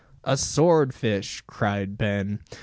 "A sword fish!" cried Ben.